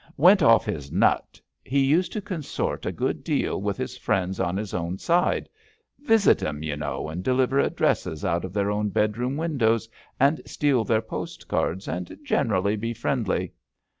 — ^went off his nut, he used to consort a good deal with his friends on his own side — ^visit 'em, y' know, and deliver addresses out of their own bedroom windows, and steal their postcards, and 230 ABAFT THE FUNNEL generally be friendly.